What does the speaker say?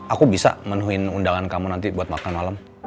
aku bisa menuhin undangan kamu nanti buat makan malam